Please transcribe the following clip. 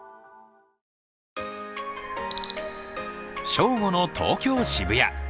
正午の東京・渋谷。